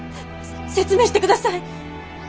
説明して下さい！